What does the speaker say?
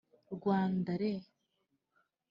Rwanda le